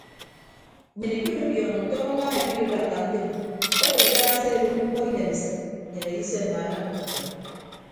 Nnyịn ikidudiọñọ tọñọ naña ikidudakka ntom ọwọd idaha ase ado mkpọ inemesịd nnyịn edise mmaana ndukịtte.